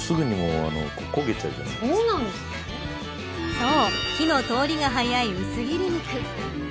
そう、火の通りが早い薄切り肉。